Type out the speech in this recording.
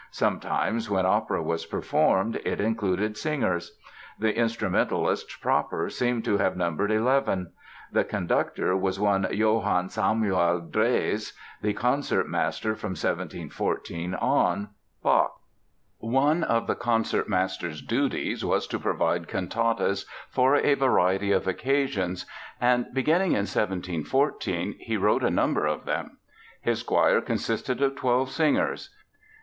Sometimes, when opera was performed, it included singers. The instrumentalists proper seem to have numbered eleven. The conductor was one Johann Samuel Drese; the concertmaster, from 1714 on, Bach. One of the concertmaster's duties was to provide cantatas for a variety of occasions and, beginning in 1714, he wrote a number of them. His choir consisted of twelve singers.